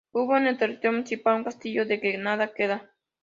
Hubo en el territorio municipal un castillo del que nada queda.